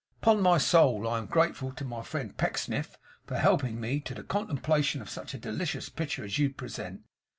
Upon my soul, I am grateful to my friend Pecksniff for helping me to the contemplation of such a delicious picture as you present.